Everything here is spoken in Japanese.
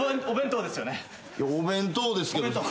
お弁当ですけど。